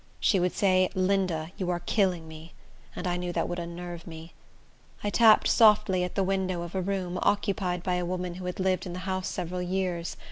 She would say, "Linda, you are killing me;" and I knew that would unnerve me. I tapped softly at the window of a room, occupied by a woman, who had lived in the house several years.